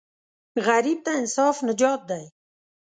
غریب ته انصاف نجات دی